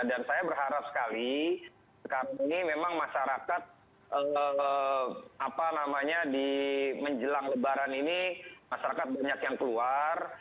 dan saya berharap sekali karena ini memang masyarakat apa namanya di menjelang lebaran ini masyarakat banyak yang keluar